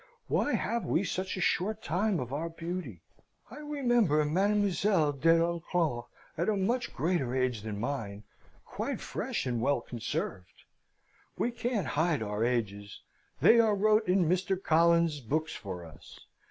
Why have we such a short time of our beauty? I remember Mademoiselle de l'Enclos at a much greater age than mine, quite fresh and well conserved. We can't hide our ages. They are wrote in Mr. Collins's books for us.